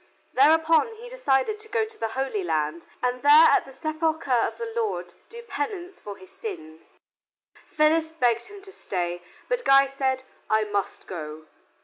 Thereupon he decided to go to the Holy Land, and there, at the Sepulcher of our Lord, do penance for his sins. Phyllis begged him to stay; but Guy said, "I must go."